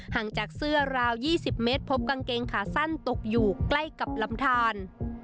ห่างจากเสื้อราว๒๐เมตรพบกางเกงขาสั้นตกอยู่ใกล้กับลำทาน